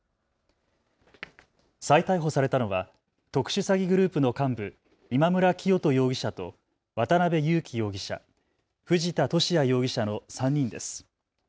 再逮捕されたのは特殊詐欺グループの幹部、今村磨人容疑者と渡邉優樹容疑者、藤田聖也容疑者の３人です。